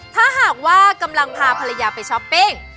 ถ้าหากว่ากำลังพาภรรยาไปช้อปปิ้ง